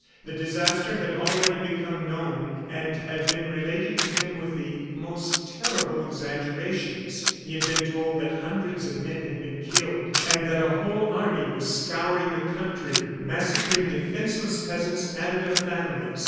The disaster had already become known, and had been related to him with the most terrible exaggerations. He had been told that hundreds of men had been killed, and that a whole army was scouring the country, massacring defenceless peasants and their families.